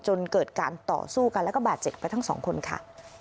จนเกิดการต่อสู้กันแล้วก็บาดเจ็บไปทั้งสองคนค่ะ